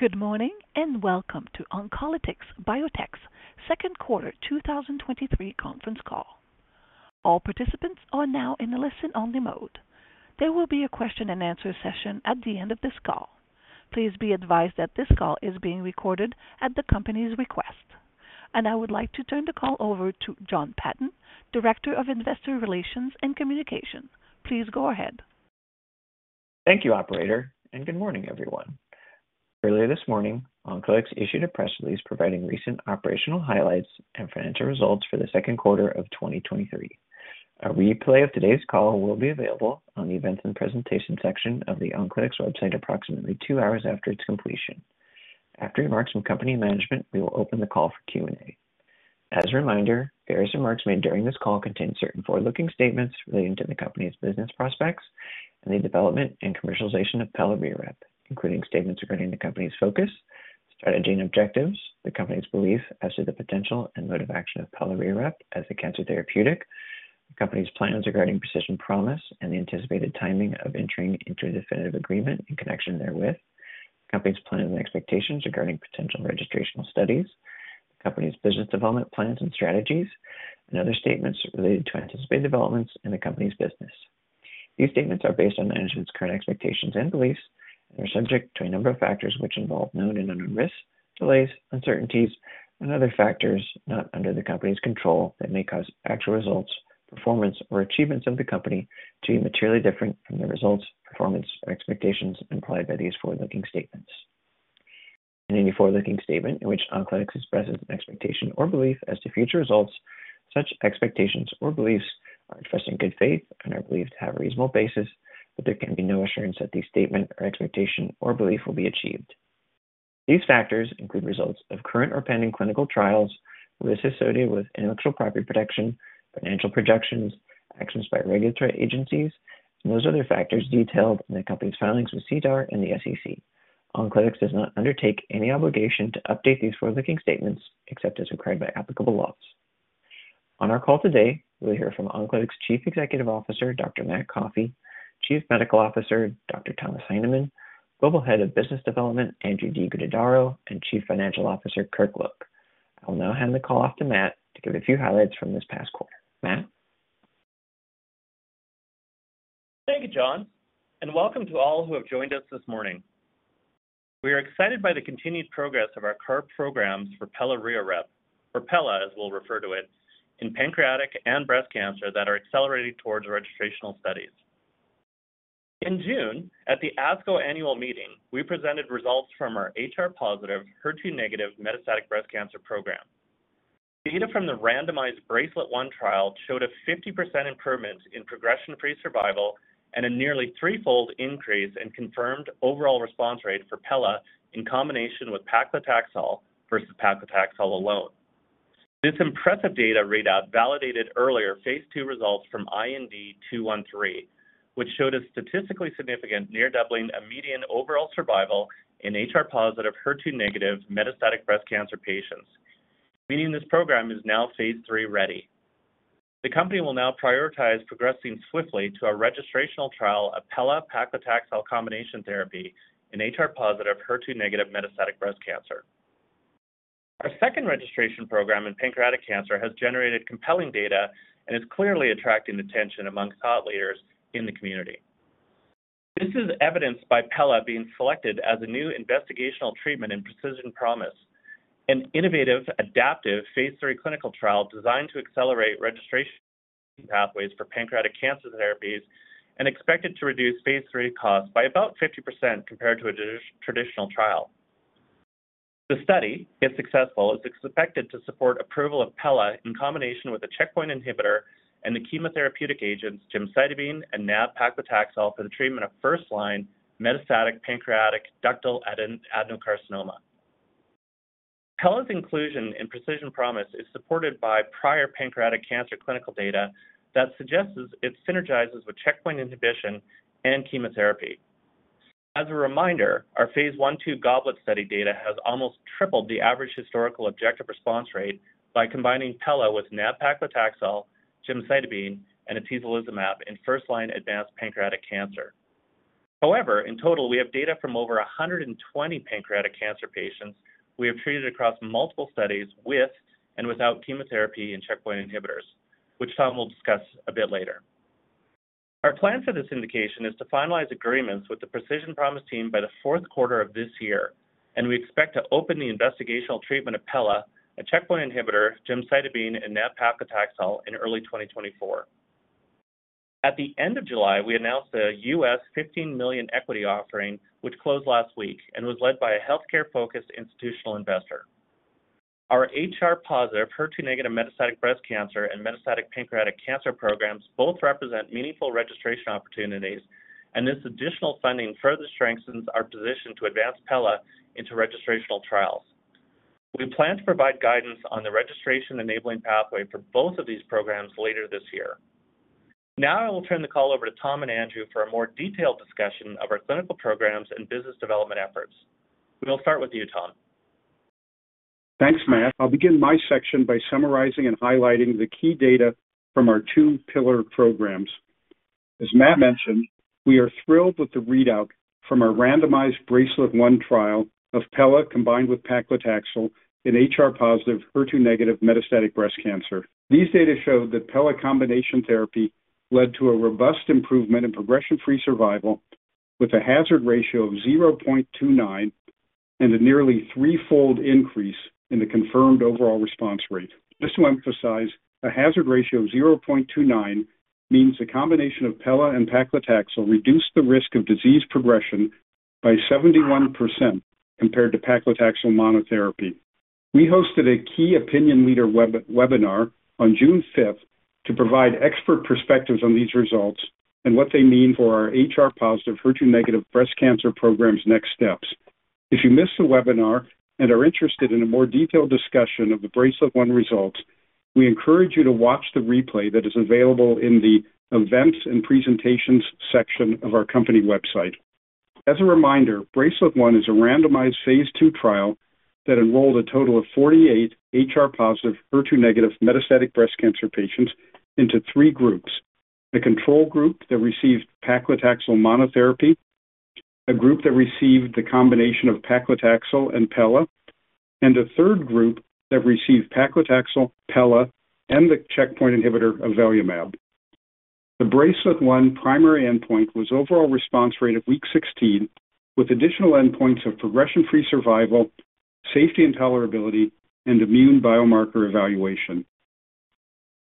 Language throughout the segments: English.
Good morning, and welcome to Oncolytics Biotech's second quarter 2023 conference call. All participants are now in a listen-only mode. There will be a question and answer session at the end of this call. Please be advised that this call is being recorded at the company's request, and I would like to turn the call over to Jon Patton, Director of Investor Relations and Communications. Please go ahead. Thank you, operator, and good morning, everyone. Earlier this morning, Oncolytics issued a press release providing recent operational highlights and financial results for the second quarter of 2023. A replay of today's call will be available on the Events and Presentation section of the Oncolytics website approximately two hours after its completion. After remarks from company management, we will open the call for Q&A. As a reminder, various remarks made during this call contain certain forward-looking statements relating to the company's business prospects and the development and commercialization of pelareorep, including statements regarding the company's focus, strategy, and objectives, the company's belief as to the potential and mode of action of pelareorep as a cancer therapeutic, the company's plans regarding Precision Promise, and the anticipated timing of entering into a definitive agreement in connection therewith, the company's plans and expectations regarding potential registrational studies, the company's business development plans and strategies, and other statements related to anticipated developments in the company's business. These statements are based on management's current expectations and beliefs and are subject to a number of factors which involve known and unknown risks, delays, uncertainties, and other factors not under the company's control that may cause actual results, performance, or achievements of the company to be materially different from the results, performance, or expectations implied by these forward-looking statements. In any forward-looking statement in which Oncolytics expresses an expectation or belief as to future results, such expectations or beliefs are expressed in good faith and are believed to have a reasonable basis, but there can be no assurance that these statement or expectation or belief will be achieved. These factors include results of current or pending clinical trials, risks associated with intellectual property protection, financial projections, actions by regulatory agencies, and those other factors detailed in the company's filings with SEDAR and the SEC. Oncolytics does not undertake any obligation to update these forward-looking statements except as required by applicable laws. On our call today, we'll hear from Oncolytics' Chief Executive Officer, Dr. Matt Coffey; Chief Medical Officer, Dr. Thomas Heineman; Global Head of Business Development, Andrew de Guttadauro; and Chief Financial Officer, Kirk Look. I will now hand the call off to Matt to give a few highlights from this past quarter. Matt? Thank you, Jon, welcome to all who have joined us this morning. We are excited by the continued progress of our current programs for pelareorep, or pela, as we'll refer to it, in pancreatic and breast cancer that are accelerating towards registrational studies. In June, at the ASCO annual meeting, we presented results from our HR-positive/HER2-negative metastatic breast cancer program. Data from the randomized BRACELET-1 trial showed a 50% improvement in progression-free survival and a nearly three-fold increase in confirmed overall response rate for pela in combination with paclitaxel versus paclitaxel alone. This impressive data readout validated earlier phase II results from IND-213, which showed a statistically significant near doubling of median overall survival in HR-positive/HER2-negative metastatic breast cancer patients, meaning this program is now phase III-ready. The company will now prioritize progressing swiftly to a registrational trial of pela-paclitaxel combination therapy in HR-positive/HER2-negative metastatic breast cancer. Our second registration program in pancreatic cancer has generated compelling data and is clearly attracting attention among thought leaders in the community. This is evidenced by pela being selected as a new investigational treatment in Precision Promise, an innovative, adaptive phase III clinical trial designed to accelerate registration pathways for pancreatic cancer therapies and expected to reduce phase III costs by about 50% compared to a traditional trial. The study, if successful, is expected to support approval of pela in combination with a checkpoint inhibitor and the chemotherapeutic agents gemcitabine and nab-paclitaxel for the treatment of first-line metastatic pancreatic ductal adenocarcinoma. pela's inclusion in Precision Promise is supported by prior pancreatic cancer clinical data that suggests it synergizes with checkpoint inhibition and chemotherapy. As a reminder, our phase I/II GOBLET study data has almost tripled the average historical objective response rate by combining pela with nab-paclitaxel, gemcitabine, and atezolizumab in first-line advanced pancreatic cancer. However, in total, we have data from over 120 pancreatic cancer patients we have treated across multiple studies with and without chemotherapy and checkpoint inhibitors, which Tom will discuss a bit later. Our plan for this indication is to finalize agreements with the Precision Promise team by the fourth quarter of this year, and we expect to open the investigational treatment of pela, a checkpoint inhibitor, gemcitabine, and nab-paclitaxel in early 2024. At the end of July, we announced a $15 million equity offering, which closed last week and was led by a healthcare-focused institutional investor. Our HR-positive/HER2-negative metastatic breast cancer and metastatic pancreatic cancer programs both represent meaningful registration opportunities, and this additional funding further strengthens our position to advance pela into registrational trials. We plan to provide guidance on the registration-enabling pathway for both of these programs later this year. Now I will turn the call over to Tom and Andrew for a more detailed discussion of our clinical programs and business development efforts. We will start with you, Tom. Thanks, Matt. I'll begin my section by summarizing and highlighting the key data from our two pillar programs. As Matt mentioned, we are thrilled with the readout from our randomized BRACELET-1 trial of pela combined with paclitaxel in HR-positive/HER2-negative metastatic breast cancer. These data show that pela combination therapy led to a robust improvement in progression-free survival, with a hazard ratio of 0.29 and a nearly three-fold increase in the confirmed overall response rate. Just to emphasize, a hazard ratio of 0.29 means a combination of pela and paclitaxel reduced the risk of disease progression by 71% compared to paclitaxel monotherapy. We hosted a key opinion leader webinar on June 5th to provide expert perspectives on these results and what they mean for our HR-positive/HER2-negative breast cancer program's next steps. If you missed the webinar and are interested in a more detailed discussion of the BRACELET-1 results, we encourage you to watch the replay that is available in the Events and Presentations section of our company website. As a reminder, BRACELET-1 is a randomized phase II trial that enrolled a total of 48 HR-positive/HER2-negative metastatic breast cancer patients into three groups: a control group that received paclitaxel monotherapy, a group that received the combination of paclitaxel and pela, and a third group that received paclitaxel, pela, and the checkpoint inhibitor avelumab. The BRACELET-1 primary endpoint was overall response rate at week 16, with additional endpoints of progression-free survival, safety and tolerability, and immune biomarker evaluation.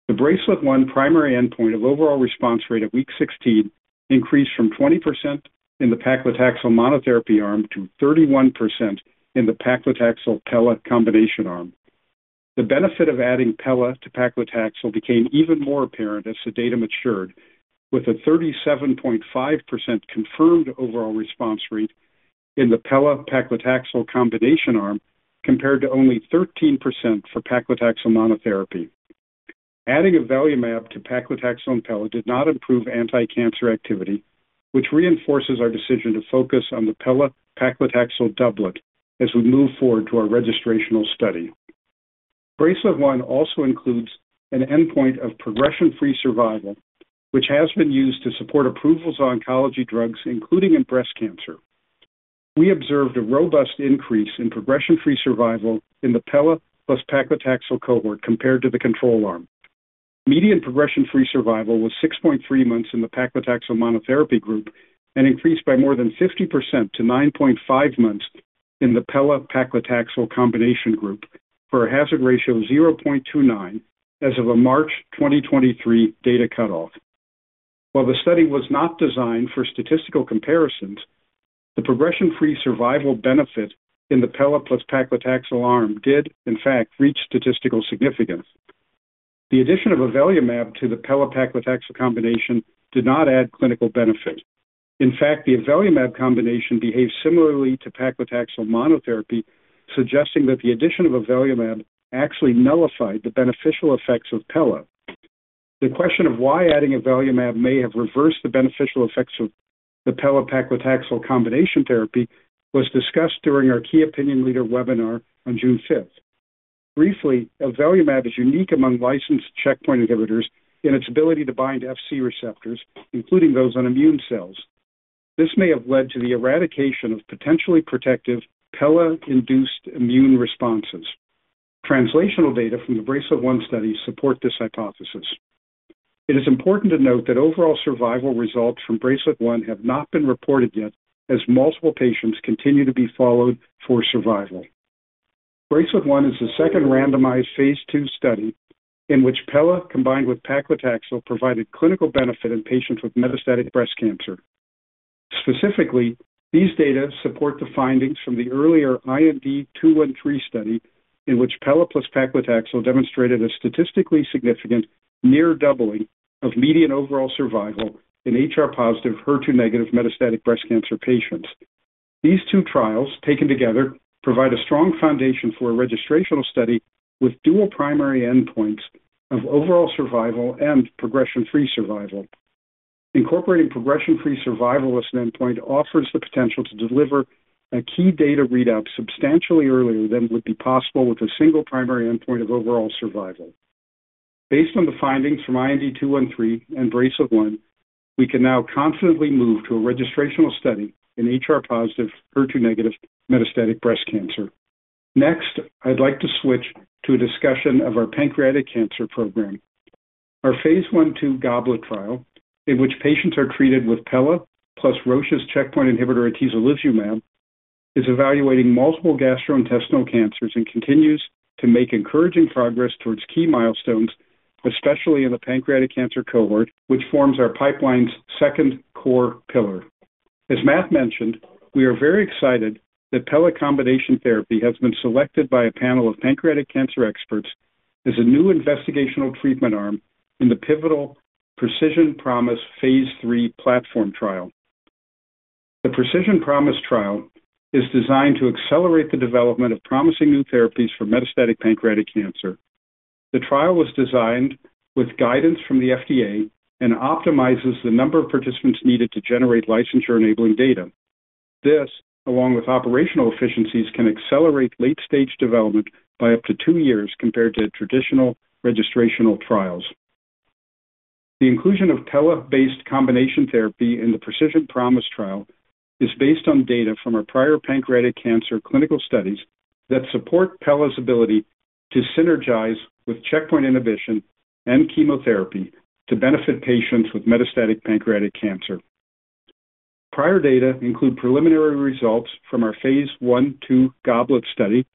The BRACELET-1 primary endpoint of overall response rate at week 16 increased from 20% in the paclitaxel monotherapy arm to 31% in the paclitaxel/pela combination arm. The benefit of adding pela to paclitaxel became even more apparent as the data matured, with a 37.5% confirmed overall response rate in the pela-paclitaxel combination arm, compared to only 13% for paclitaxel monotherapy. Adding avelumab to paclitaxel and pela did not improve anticancer activity, which reinforces our decision to focus on the pela-paclitaxel doublet as we move forward to our registrational study. BRACELET-1 also includes an endpoint of progression-free survival, which has been used to support approvals on oncology drugs, including in breast cancer. We observed a robust increase in progression-free survival in the pela plus paclitaxel cohort compared to the control arm. Median progression-free survival was 6.3 months in the paclitaxel monotherapy group and increased by more than 50% to 9.5 months in the pela-paclitaxel combination group, for a hazard ratio of 0.29 as of a March 2023 data cutoff. While the study was not designed for statistical comparisons, the progression-free survival benefit in the pela plus paclitaxel arm did, in fact, reach statistical significance. The addition of avelumab to the pela-paclitaxel combination did not add clinical benefit. In fact, the avelumab combination behaved similarly to paclitaxel monotherapy, suggesting that the addition of avelumab actually nullified the beneficial effects of pela. The question of why adding avelumab may have reversed the beneficial effects of the pela-paclitaxel combination therapy was discussed during our key opinion leader webinar on June 5th. Briefly, avelumab is unique among licensed checkpoint inhibitors in its ability to bind Fc receptors, including those on immune cells. This may have led to the eradication of potentially protective pela-induced immune responses. Translational data from the BRACELET-1 study support this hypothesis. It is important to note that overall survival results from BRACELET-1 have not been reported yet, as multiple patients continue to be followed for survival. BRACELET-1 is the second randomized phase II study in which pela combined with paclitaxel provided clinical benefit in patients with metastatic breast cancer. Specifically, these data support the findings from the earlier IND-213 study, in which pela plus paclitaxel demonstrated a statistically significant near doubling of median overall survival in HR-positive/HER2-negative metastatic breast cancer patients. These two trials, taken together, provide a strong foundation for a registrational study with dual primary endpoints of overall survival and progression-free survival. Incorporating progression-free survival as an endpoint offers the potential to deliver a key data readout substantially earlier than would be possible with a single primary endpoint of overall survival. Based on the findings from IND-213 and BRACELET-1, we can now confidently move to a registrational study in HR-positive/HER2-negative metastatic breast cancer. I'd like to switch to a discussion of our pancreatic cancer program. Our phase I/II GOBLET trial, in which patients are treated with pela plus Roche's checkpoint inhibitor, atezolizumab, is evaluating multiple gastrointestinal cancers and continues to make encouraging progress towards key milestones, especially in the pancreatic cancer cohort, which forms our pipeline's second core pillar. As Matt mentioned, we are very excited that pela combination therapy has been selected by a panel of pancreatic cancer experts as a new investigational treatment arm in the pivotal Precision Promise phase III platform trial. The Precision Promise trial is designed to accelerate the development of promising new therapies for metastatic pancreatic cancer. The trial was designed with guidance from the FDA and optimizes the number of participants needed to generate licensure-enabling data. This, along with operational efficiencies, can accelerate late-stage development by up to two years compared to traditional registrational trials. The inclusion of pela-based combination therapy in the Precision Promise trial is based on data from our prior pancreatic cancer clinical studies that support pela's ability to synergize with checkpoint inhibition and chemotherapy to benefit patients with metastatic pancreatic cancer. Prior data include preliminary results from our phase I/II GOBLET study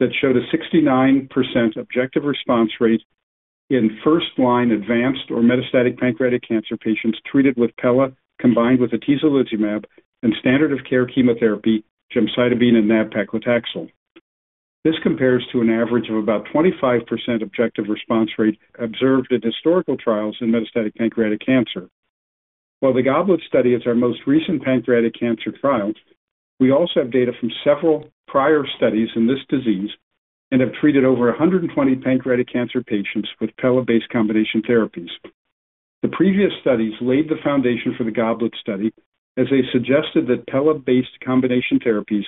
that showed a 69% objective response rate in first-line advanced or metastatic pancreatic cancer patients treated with pela, combined with atezolizumab and standard of care chemotherapy, gemcitabine and nab-paclitaxel. This compares to an average of about 25% objective response rate observed in historical trials in metastatic pancreatic cancer. While the GOBLET study is our most recent pancreatic cancer trial, we also have data from several prior studies in this disease and have treated over 120 pancreatic cancer patients with pela-based combination therapies. The previous studies laid the foundation for the GOBLET study, as they suggested that pela-based combination therapies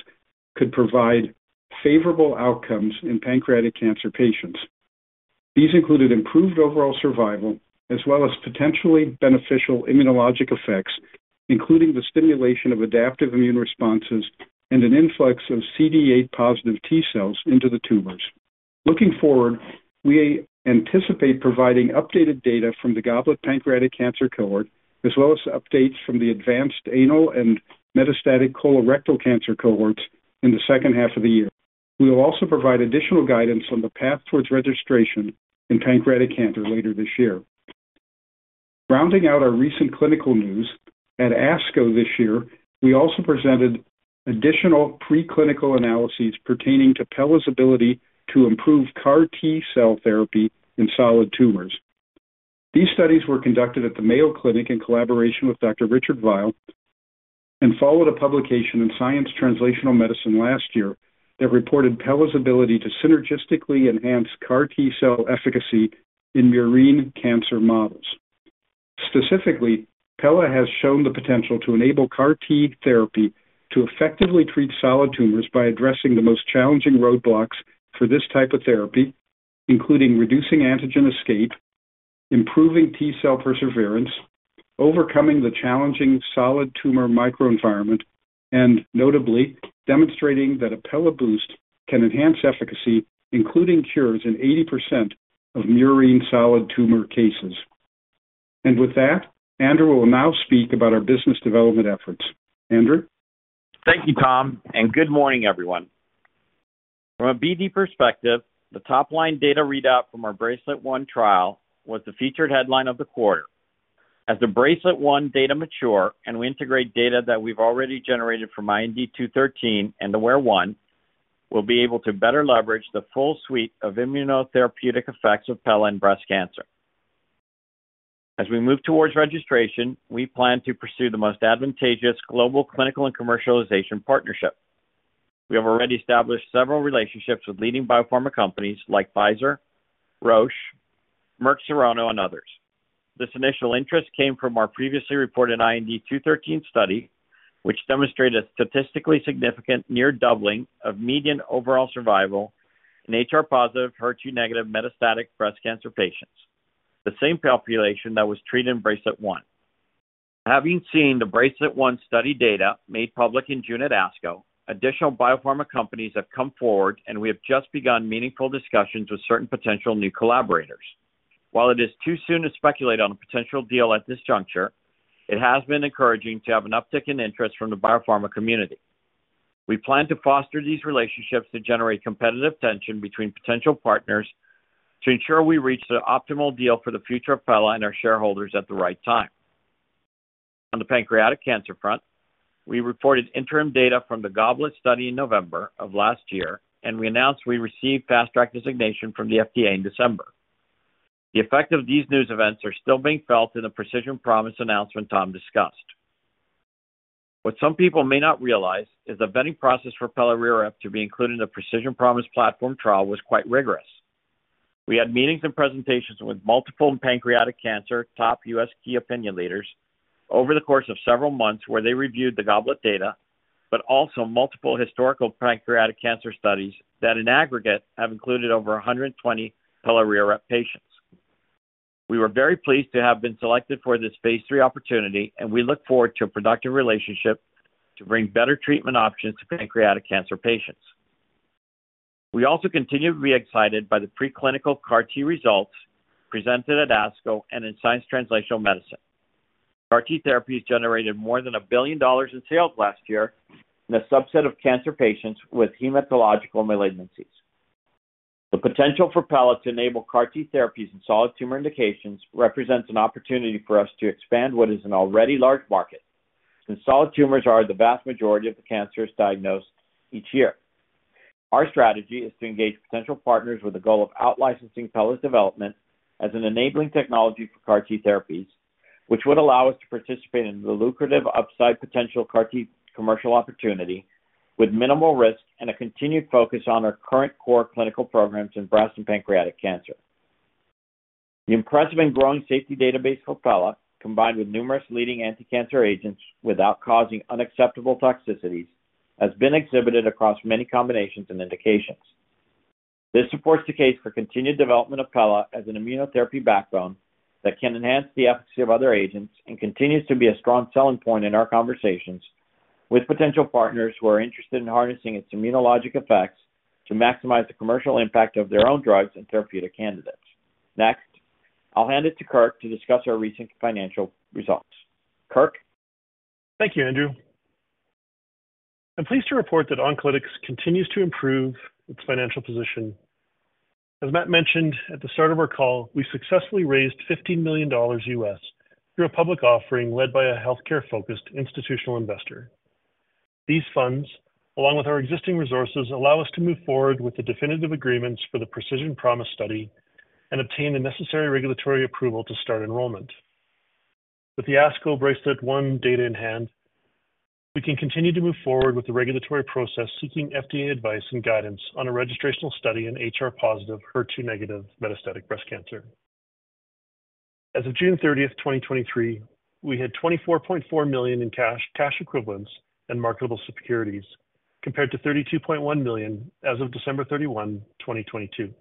could provide favorable outcomes in pancreatic cancer patients. These included improved overall survival, as well as potentially beneficial immunologic effects, including the stimulation of adaptive immune responses and an influx of CD8+ T cells into the tumors. Looking forward, we anticipate providing updated data from the GOBLET pancreatic cancer cohort, as well as updates from the advanced anal and metastatic colorectal cancer cohorts in the second half of the year. We will also provide additional guidance on the path towards registration in pancreatic cancer later this year. Rounding out our recent clinical news, at ASCO this year, we also presented additional preclinical analyses pertaining to pela's ability to improve CAR T-cell therapy in solid tumors. These studies were conducted at the Mayo Clinic in collaboration with Dr. Richard Vile, and followed a publication in Science Translational Medicine last year that reported pela's ability to synergistically enhance CAR T-cell efficacy in murine cancer models. Specifically, pela has shown the potential to enable CAR T therapy to effectively treat solid tumors by addressing the most challenging roadblocks for this type of therapy, including reducing antigen escape, improving T cell perseverance, overcoming the challenging solid tumor microenvironment, and notably, demonstrating that a pela boost can enhance efficacy, including cures in 80% of murine solid tumor cases. With that, Andrew will now speak about our business development efforts. Andrew? Thank you, Tom. Good morning, everyone. From a BD perspective, the top-line data readout from our BRACELET-1 trial was the featured headline of the quarter. As the BRACELET-1 data mature and we integrate data that we've already generated from IND-213 and the AWARE-1, we'll be able to better leverage the full suite of immunotherapeutic effects of pelareorep in breast cancer. As we move towards registration, we plan to pursue the most advantageous global clinical and commercialization partnership. We have already established several relationships with leading biopharma companies like Pfizer, Roche, Merck Serono, and others. This initial interest came from our previously reported IND-213 study, which demonstrated a statistically significant near doubling of median overall survival in HR-positive/HER2-negative metastatic breast cancer patients, the same population that was treated in BRACELET-1. Having seen the BRACELET-1 study data made public in June at ASCO, additional biopharma companies have come forward, we have just begun meaningful discussions with certain potential new collaborators. While it is too soon to speculate on a potential deal at this juncture, it has been encouraging to have an uptick in interest from the biopharma community. We plan to foster these relationships to generate competitive tension between potential partners to ensure we reach the optimal deal for the future of pela and our shareholders at the right time. On the pancreatic cancer front, we reported interim data from the GOBLET study in November of last year, we announced we received Fast Track designation from the FDA in December. The effect of these news events are still being felt in the Precision Promise announcement Tom discussed. What some people may not realize is the vetting process for pelareorep to be included in the Precision Promise platform trial was quite rigorous. We had meetings and presentations with multiple pancreatic cancer top U.S. key opinion leaders over the course of several months, where they reviewed the GOBLET data, but also multiple historical pancreatic cancer studies that, in aggregate, have included over 120 pelareorep patients. We were very pleased to have been selected for this phase III opportunity, and we look forward to a productive relationship to bring better treatment options to pancreatic cancer patients. We also continue to be excited by the preclinical CAR T results presented at ASCO and in Science Translational Medicine. CAR T therapies generated more than $1 billion in sales last year in a subset of cancer patients with hematological malignancies. The potential for pela to enable CAR T therapies in solid tumor indications represents an opportunity for us to expand what is an already large market, since solid tumors are the vast majority of the cancers diagnosed each year. Our strategy is to engage potential partners with the goal of outlicensing pela's development as an enabling technology for CAR T therapies. Which would allow us to participate in the lucrative upside potential CAR T commercial opportunity with minimal risk and a continued focus on our current core clinical programs in breast and pancreatic cancer. The impressive and growing safety database for pela, combined with numerous leading anticancer agents without causing unacceptable toxicities, has been exhibited across many combinations and indications. This supports the case for continued development of pela as an immunotherapy backbone that can enhance the efficacy of other agents and continues to be a strong selling point in our conversations with potential partners who are interested in harnessing its immunologic effects to maximize the commercial impact of their own drugs and therapeutic candidates. Next, I'll hand it to Kirk to discuss our recent financial results. Kirk? Thank you, Andrew. I'm pleased to report that Oncolytics continues to improve its financial position. As Matt mentioned at the start of our call, we successfully raised $15 million through a public offering led by a healthcare-focused institutional investor. These funds, along with our existing resources, allow us to move forward with the definitive agreements for the Precision Promise study and obtain the necessary regulatory approval to start enrollment. With the ASCO BRACELET-1 data in hand, we can continue to move forward with the regulatory process, seeking FDA advice and guidance on a registrational study in HR-positive/HER2-negative metastatic breast cancer. As of June 30, 2023, we had $24.4 million in cash, cash equivalents, and marketable securities, compared to $32.1 million as of December 31, 2022.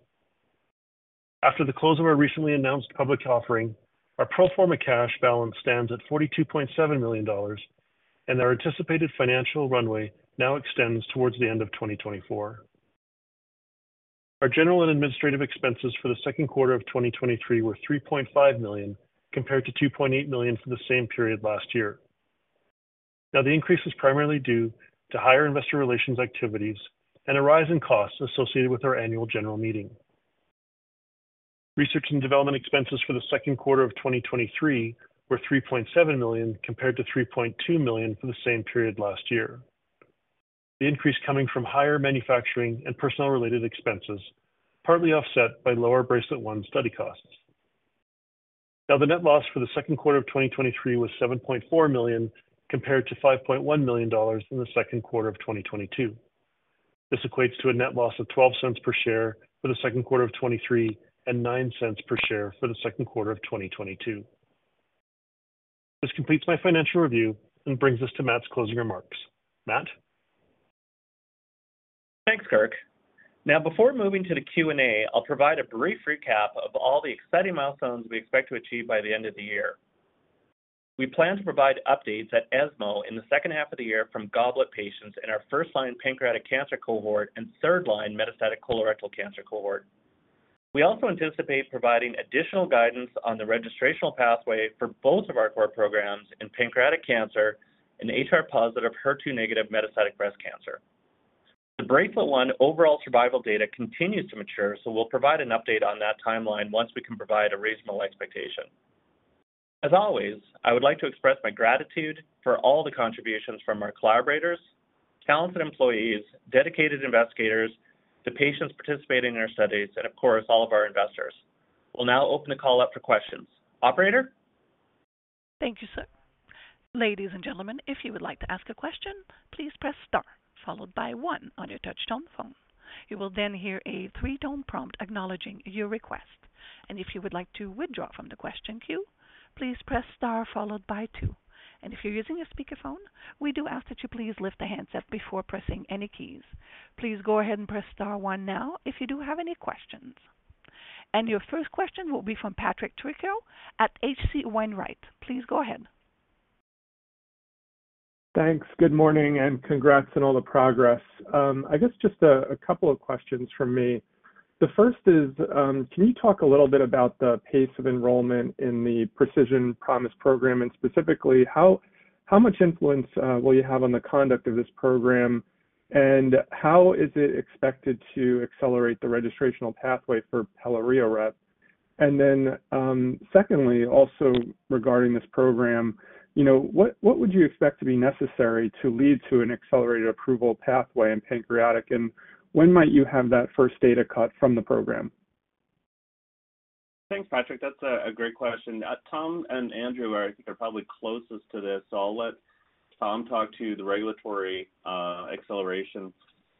After the close of our recently announced public offering, our pro forma cash balance stands at $42.7 million, and our anticipated financial runway now extends towards the end of 2024. The increase is primarily due to higher investor relations activities and a rise in costs associated with our annual general meeting. Research and development expenses for the second quarter of 2023 were $3.7 million, compared to $3.2 million for the same period last year. The increase coming from higher manufacturing and personnel-related expenses, partly offset by lower BRACELET-1 study costs. The net loss for the second quarter of 2023 was $7.4 million, compared to $5.1 million in the second quarter of 2022. This equates to a net loss of $0.12 per share for the second quarter of 2023 and $0.09 per share for the second quarter of 2022. This completes my financial review and brings us to Matt's closing remarks. Matt? Thanks, Kirk. Before moving to the Q&A, I'll provide a brief recap of all the exciting milestones we expect to achieve by the end of the year. We plan to provide updates at ESMO in the second half of the year from GOBLET patients in our first-line pancreatic cancer cohort and third-line metastatic colorectal cancer cohort. We also anticipate providing additional guidance on the registrational pathway for both of our core programs in pancreatic cancer and HR-positive/HER2-negative metastatic breast cancer. The BRACELET-1 overall survival data continues to mature, so we'll provide an update on that timeline once we can provide a reasonable expectation. As always, I would like to express my gratitude for all the contributions from our collaborators, talented employees, dedicated investigators, the patients participating in our studies, and of course, all of our investors. We'll now open the call up for questions. Operator? Thank you, sir. Ladies and gentlemen, if you would like to ask a question, please press star followed by one on your touchtone phone. You will then hear a three-tone prompt acknowledging your request, and if you would like to withdraw from the question queue, please press star followed by two. If you're using a speakerphone, we do ask that you please lift the handset before pressing any keys. Please go ahead and press star one now if you do have any questions. Your first question will be from Patrick Trucchio at H.C. Wainwright. Please go ahead. Thanks. Good morning, and congrats on all the progress. I guess just a couple of questions from me. The first is, can you talk a little bit about the pace of enrollment in the Precision Promise program, and specifically, how much influence will you have on the conduct of this program? How is it expected to accelerate the registrational pathway for pelareorep? Secondly, also regarding this program, you know, what would you expect to be necessary to lead to an accelerated approval pathway in pancreatic, and when might you have that first data cut from the program? Thanks, Patrick. That's a great question. Tom and Andrew are, I think, are probably closest to this, so I'll let Tom talk to the regulatory acceleration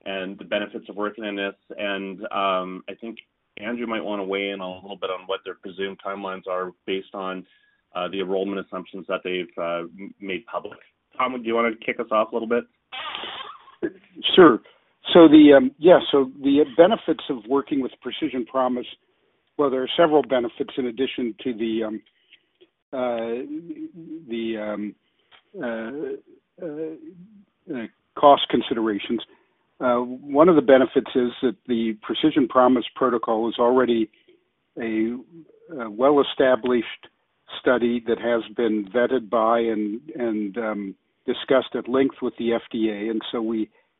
and the benefits of working in this. I think Andrew might want to weigh in a little bit on what their presumed timelines are based on the enrollment assumptions that they've made public. Tom, do you want to kick us off a little bit? Sure. The, yes, the benefits of working with Precision Promise, well, there are several benefits in addition to the, the, cost considerations. One of the benefits is that the Precision Promise protocol is already a, a well-established study that has been vetted by and, discussed at length with the FDA, and so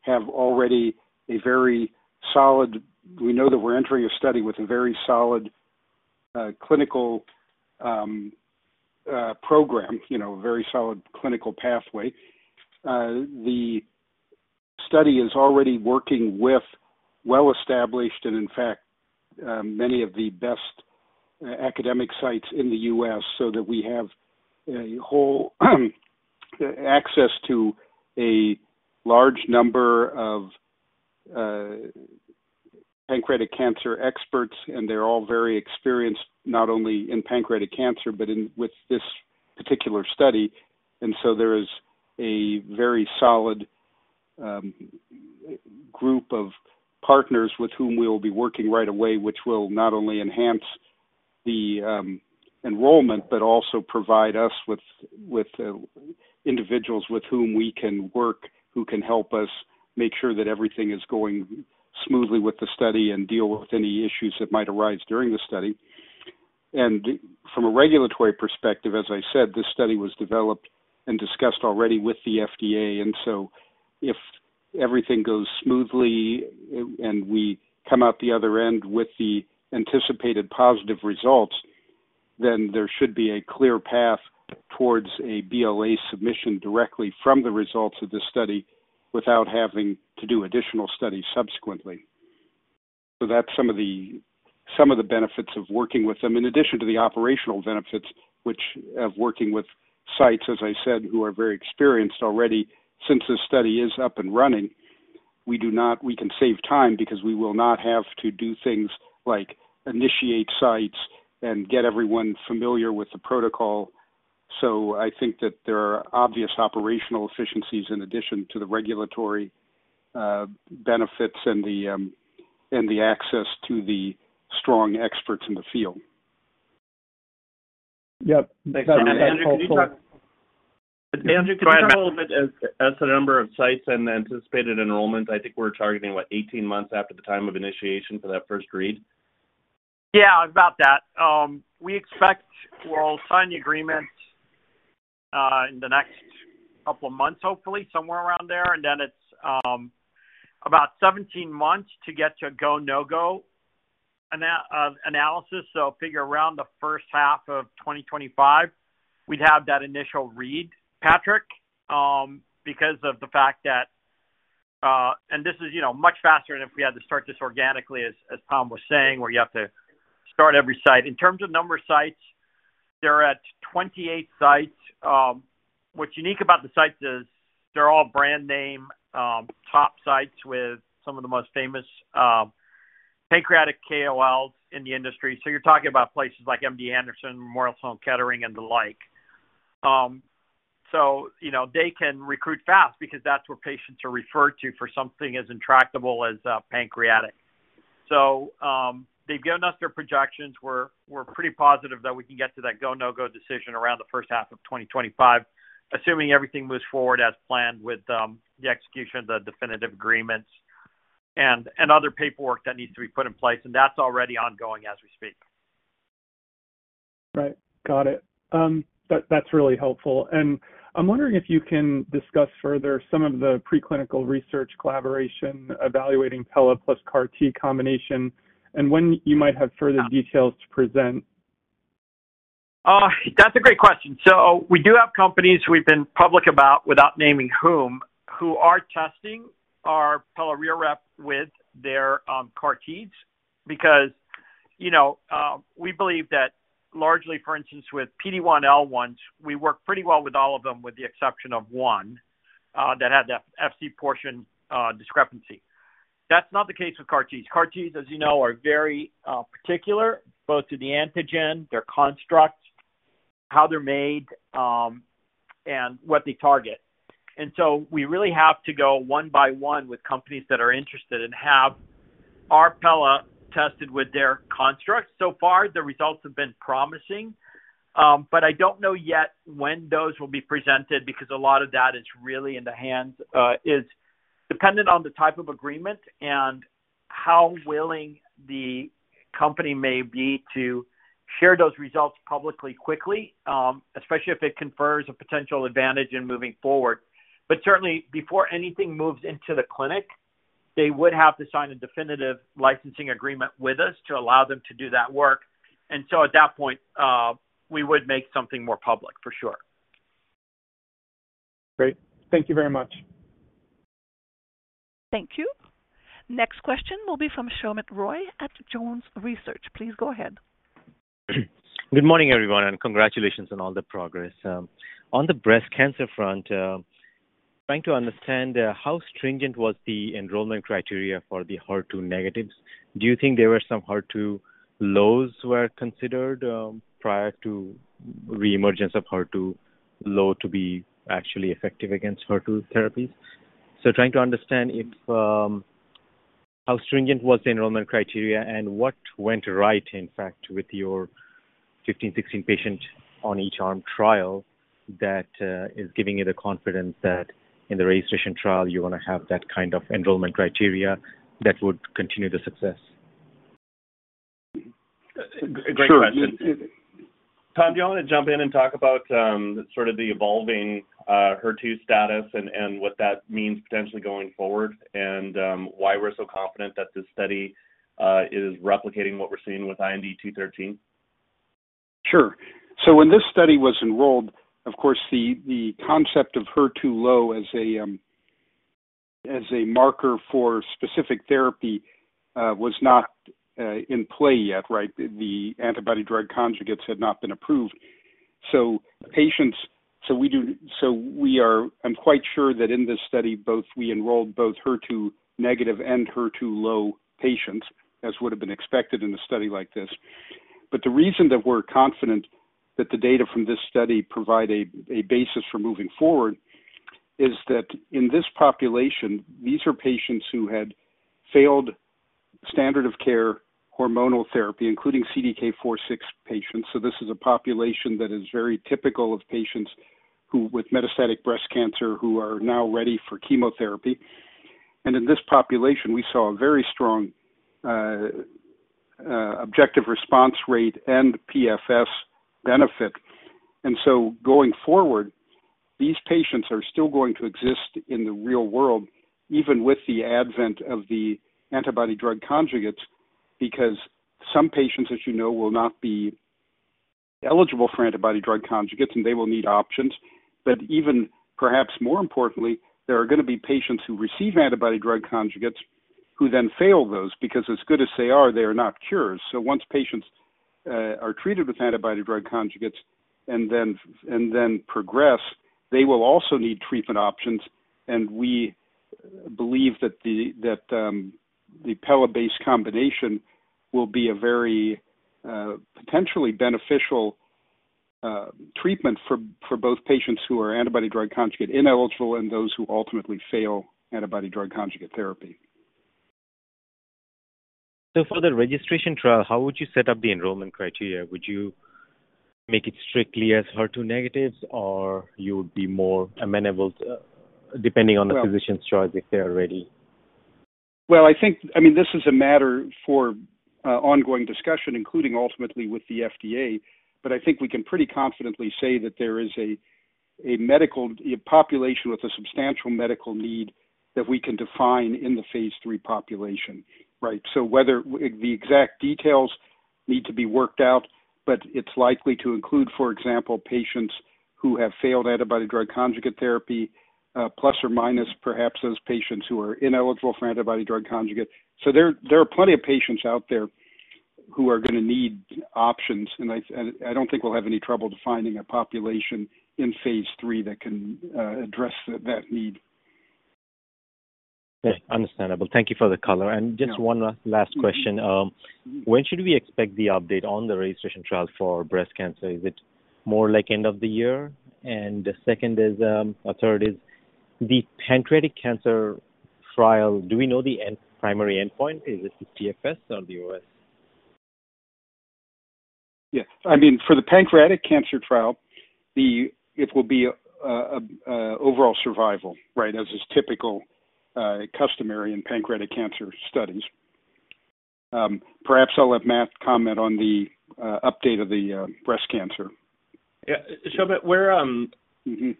we have already a very solid. We know that we're entering a study with a very solid, clinical, program, you know, a very solid clinical pathway. The study is already working with well-established and, in fact, many of the best academic sites in the U.S., so that we have a whole access to a large number of pancreatic cancer experts, and they're all very experienced, not only in pancreatic cancer, but in, with this particular study. So there is a very solid group of partners with whom we will be working right away, which will not only enhance the enrollment, but also provide us with, with individuals with whom we can work, who can help us make sure that everything is going smoothly with the study and deal with any issues that might arise during the study. From a regulatory perspective, as I said, this study was developed and discussed already with the FDA. If everything goes smoothly and, and we come out the other end with the anticipated positive results, then there should be a clear path towards a BLA submission directly from the results of this study without having to do additional studies subsequently. That's some of the, some of the benefits of working with them, in addition to the operational benefits, which, of working with sites, as I said, who are very experienced already. Since this study is up and running, we can save time because we will not have to do things like initiate sites and get everyone familiar with the protocol. I think that there are obvious operational efficiencies in addition to the regulatory benefits and the, and the access to the strong experts in the field. Yep. Thanks, Andrew, can you talk-- Andrew, can you talk a little bit as, as the number of sites and the anticipated enrollment, I think we're targeting, what? 18 months after the time of initiation for that first read. Yeah, about that. We expect we'll sign the agreement in the next couple of months, hopefully, somewhere around there. Then it's about 17 months to get to a go, no-go analysis. Figure around the first half of 2025, we'd have that initial read, Patrick, because of the fact that, and this is, you know, much faster than if we had to start this organically, as, as Tom was saying, where you have to start every site. In terms of number of sites, they're at 28 sites. What's unique about the sites is they're all brand name, top sites with some of the most famous pancreatic KOLs in the industry. You're talking about places like MD Anderson, Memorial Sloan Kettering, and the like. You know, they can recruit fast because that's where patients are referred to for something as intractable as pancreatic. They've given us their projections. We're, we're pretty positive that we can get to that go, no-go decision around the first half of 2025, assuming everything moves forward as planned with the execution, the definitive agreements, and other paperwork that needs to be put in place, and that's already ongoing as we speak. Right. Got it. That, that's really helpful. I'm wondering if you can discuss further some of the preclinical research collaboration evaluating pela plus CAR T combination, and when you might have further details to present. That's a great question. We do have companies we've been public about, without naming whom, who are testing our pelareorep with their CAR Ts. You know, we believe that largely, for instance, with PD-1 L1s, we work pretty well with all of them, with the exception of one that had that Fc portion discrepancy. That's not the case with CAR T. CAR T, as you know, are very particular, both to the antigen, their constructs, how they're made, and what they target. We really have to go one by one with companies that are interested and have our pela tested with their constructs. So far, the results have been promising, but I don't know yet when those will be presented because a lot of that is really in the hands, is dependent on the type of agreement and how willing the company may be to share those results publicly, quickly, especially if it confers a potential advantage in moving forward. Certainly, before anything moves into the clinic, they would have to sign a definitive licensing agreement with us to allow them to do that work. At that point, we would make something more public for sure. Great. Thank you very much. Thank you. Next question will be from Soumit Roy at Jones Trading. Please go ahead. Good morning, everyone, and congratulations on all the progress. On the breast cancer front, trying to understand how stringent was the enrollment criteria for the HER2-negative? Do you think there were some HER2-lows were considered prior to reemergence of HER2-low to be actually effective against HER2 therapies? Trying to understand if how stringent was the enrollment criteria and what went right, in fact, with your 15, 16 patient on each arm trial that is giving you the confidence that in the registration trial, you're gonna have that kind of enrollment criteria that would continue the success? Great question. Tom, do you want to jump in and talk about, sort of the evolving HER2 status and, and what that means potentially going forward, and why we're so confident that this study is replicating what we're seeing with IND-213? Sure. When this study was enrolled, of course, the, the concept of HER2-low as a marker for specific therapy was not in play yet, right? The Antibody-Drug Conjugates had not been approved. Patients, I'm quite sure that in this study, we enrolled both HER2-negative and HER2-low patients, as would have been expected in a study like this. The reason that we're confident that the data from this study provide a basis for moving forward is that in this population, these are patients who had failed standard of care, hormonal therapy, including CDK4/6 patients. This is a population that is very typical of patients who, with metastatic breast cancer, who are now ready for chemotherapy. In this population, we saw a very strong objective response rate and PFS benefit. Going forward, these patients are still going to exist in the real world, even with the advent of the Antibody-Drug Conjugates, because some patients, you know, will not be eligible for Antibody-Drug Conjugates, and they will need options. Even perhaps more importantly, there are going to be patients who receive Antibody-Drug Conjugates who then fail those, because as good as they are, they are not cures. Once patients are treated with Antibody-Drug Conjugates and then progress, they will also need treatment options, and we believe that the, that the pela-based combination will be a very potentially beneficial treatment for both patients who are Antibody-Drug Conjugate ineligible and those who ultimately fail Antibody-Drug Conjugate therapy. For the registration trial, how would you set up the enrollment criteria? Would you make it strictly as HER2-negatives, or you would be more amenable to, depending on the physician's choice, if they are ready? Well, I think, I mean, this is a matter for ongoing discussion, including ultimately with the FDA. I think we can pretty confidently say that there is a, a medical, a population with a substantial medical need that we can define in the phase III population, right? Whether the exact details need to be worked out, but it's likely to include, for example, patients who have failed Antibody-Drug Conjugate therapy, plus or minus, perhaps those patients who are ineligible for Antibody-Drug Conjugate. There, there are plenty of patients out there who are going to need options, and I, and I don't think we'll have any trouble defining a population in phase III that can address that, that need. Yes, understandable. Thank you for the color. Yeah. Just one last question. When should we expect the update on the registration trial for breast cancer? Is it more like end of the year? The 2nd is, or 3rd is, the pancreatic cancer trial, do we know the end, primary endpoint? Is this the PFS or the OS? Yes. I mean, for the pancreatic cancer trial, it will be overall survival, right? As is typical, customary in pancreatic cancer studies. Perhaps I'll let Matt comment on the update of the breast cancer. Yeah, Soumit, we're- Mm-hmm.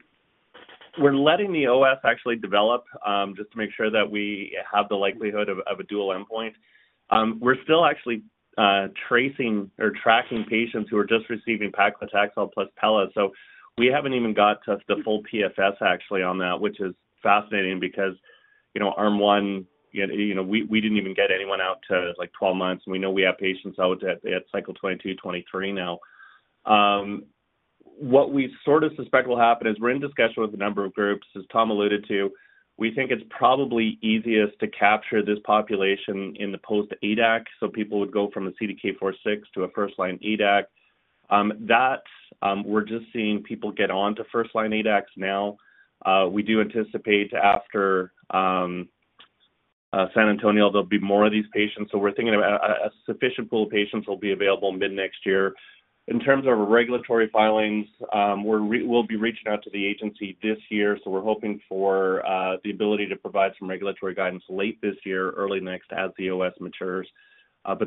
We're letting the OS actually develop, just to make sure that we have the likelihood of, of a dual endpoint. We're still actually tracing or tracking patients who are just receiving paclitaxel plus pela. We haven't even got to the full PFS actually on that, which is fascinating because, you know, arm one, you know, we, we didn't even get anyone out to, like, 12 months, and we know we have patients out at, at cycle 22, 23 now. What we sort of suspect will happen is we're in discussion with a number of groups, as Tom alluded to. We think it's probably easiest to capture this population in the post ADCs, so people would go from a CDK4/6 to a first-line ADC. We're just seeing people get on to first-line ADCs now. We do anticipate after San Antonio, there'll be more of these patients. We're thinking about a, a sufficient pool of patients will be available mid-next year. In terms of regulatory filings, we'll be reaching out to the agency this year, so we're hoping for the ability to provide some regulatory guidance late this year, early next, as the OS matures.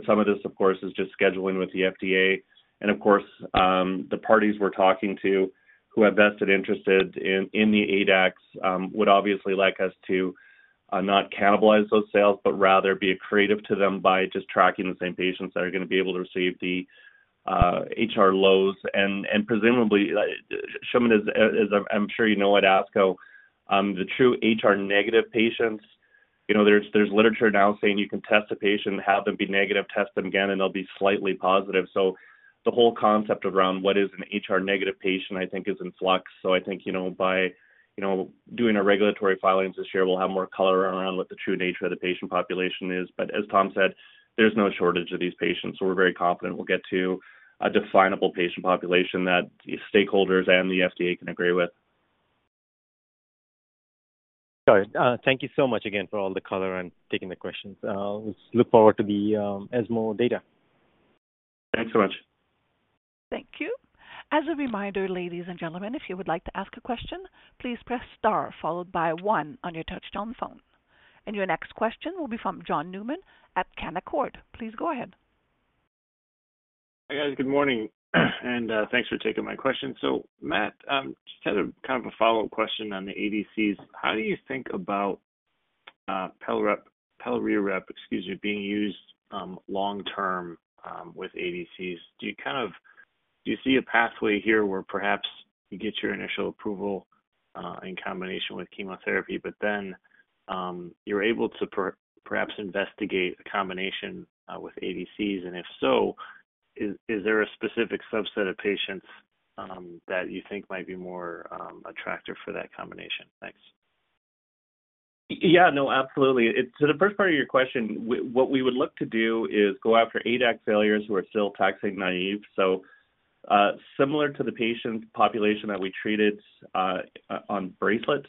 Some of this, of course, is just scheduling with the FDA. Of course, the parties we're talking to who have vested interest in, in the ADCs, would obviously like us to not cannibalize those sales, but rather be creative to them by just tracking the same patients that are going to be able to receive the HR lows. presumably, Soumit, as, as I'm sure you know, at ASCO, the true HR-negative patients, you know, there's, there's literature now saying you can test a patient, have them be negative, test them again, and they'll be slightly positive. The whole concept around what is an HR-negative patient, I think, is in flux. I think, you know, by, you know, doing a regulatory filings this year, we'll have more color around what the true nature of the patient population is. As Tom said, there's no shortage of these patients, so we're very confident we'll get to a definable patient population that the stakeholders and the FDA can agree with. Got it. Thank you so much again for all the color and taking the questions. Look forward to the ESMO data. Thanks so much. Thank you. As a reminder, ladies and gentlemen, if you would like to ask a question, please press star followed by one on your touchtone phone. Your next question will be from John Newman at Canaccord. Please go ahead. Hi, guys. Good morning, and thanks for taking my question. Matt, just kind of a follow-up question on the ADCs. How do you think about pelareorep, being used, long-term, with ADCs. Do you kind of, do you see a pathway here where perhaps you get your initial approval, in combination with chemotherapy, but then, you're able to perhaps investigate a combination, with ADCs? If so, is, is there a specific subset of patients, that you think might be more attractive for that combination? Thanks. Yeah, no, absolutely. What we would look to do is go after ADC failures who are still taxane naive. Similar to the patient population that we treated on BRACELET-1,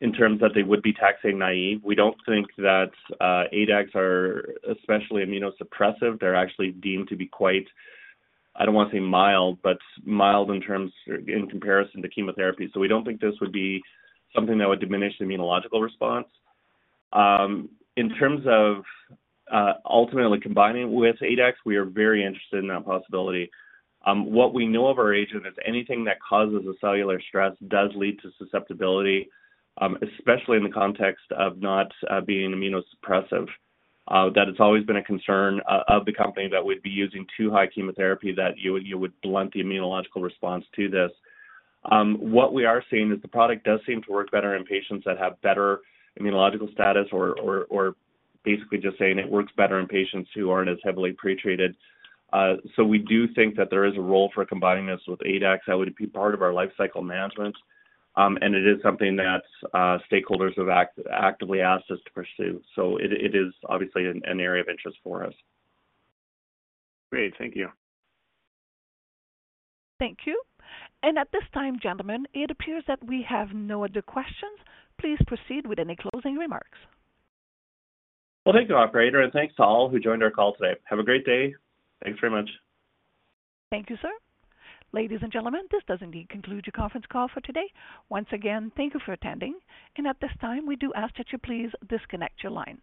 in terms of they would be taxane naive. We don't think that ADCs are especially immunosuppressive. They're actually deemed to be quite, I don't want to say mild, but mild in terms, in comparison to chemotherapy. We don't think this would be something that would diminish the immunological response. In terms of ultimately combining with ADCs, we are very interested in that possibility. What we know of our agent is anything that causes a cellular stress does lead to susceptibility, especially in the context of not being immunosuppressive. That has always been a concern of the company that we'd be using too high chemotherapy, that you, you would blunt the immunological response to this. What we are seeing is the product does seem to work better in patients that have better immunological status or, or, or basically just saying it works better in patients who aren't as heavily pretreated. So we do think that there is a role for combining this with ADCs. That would be part of our life cycle management, and it is something that stakeholders have actively asked us to pursue. So it, it is obviously an, an area of interest for us. Great. Thank you. Thank you. At this time, gentlemen, it appears that we have no other questions. Please proceed with any closing remarks. Well, thank you, operator, and thanks to all who joined our call today. Have a great day. Thanks very much. Thank you, sir. Ladies and gentlemen, this does indeed conclude your conference call for today. Once again, thank you for attending, and at this time, we do ask that you please disconnect your lines.